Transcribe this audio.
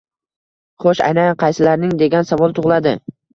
Xo‘sh, aynan qaysilarining degan savol tug‘iladi.